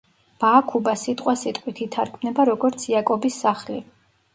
ბააქუბა სიტყვასიტყვით ითარგმნება როგორც იაკობის სახლი.